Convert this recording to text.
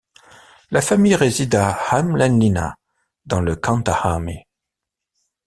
La famille réside à Hämeenlinna, dans le Kanta-Häme.